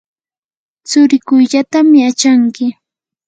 tsurikuyllatam yachanki.